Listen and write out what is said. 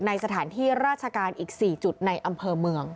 สถานที่ราชการอีก๔จุดในอำเภอเมือง